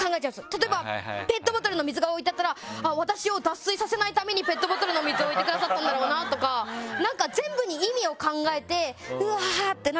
例えばペットボトルの水が置いてあったら私を脱水させないためにペットボトルの水を置いてくださったんだろうなとか全部に意味を考えて、うわーって。